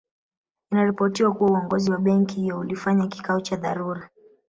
Inaripotiwa kuwa uongozi wa benki hiyo ulifanya kikao cha dharura